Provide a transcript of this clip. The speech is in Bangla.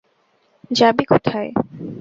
যাবি কোথায়?